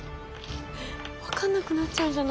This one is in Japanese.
分かんなくなっちゃうんじゃない？